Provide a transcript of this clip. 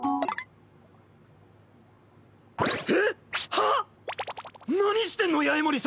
はっ⁉何してんの八重森さん！